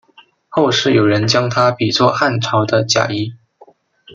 后世有人将他比作汉朝的贾谊。